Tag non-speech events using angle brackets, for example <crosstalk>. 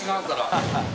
ハハハ <laughs>